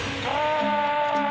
あ！